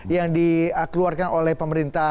yang dikeluarkan oleh pemerintah